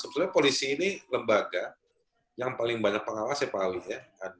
sebenarnya polisi ini lembaga yang paling banyak pengawas ya pak awie